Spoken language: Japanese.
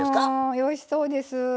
おいしそうです。